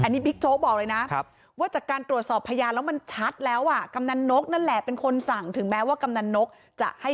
นี่บิ๊กโจ๊กบอกเลยนะ